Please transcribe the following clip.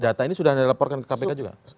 data ini sudah dilaporkan ke kpk juga